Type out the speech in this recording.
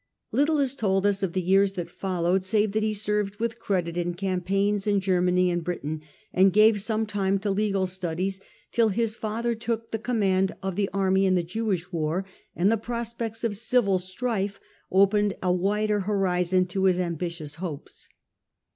Little is told us of the years that followed save that he served with credit in campaigns in Germany and Britain, and gave some time to legal studies, till his father took the command ot the army in the Jewish war and the prospects of civil strife opened a wider horizon to his ambitious hopes.